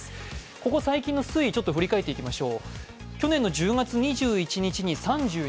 ここ最近の推移を振り返ってみましょう。